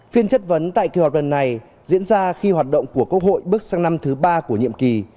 phiên chất vấn tại kỳ họp lần này diễn ra khi hoạt động của quốc hội bước sang năm thứ ba của nhiệm kỳ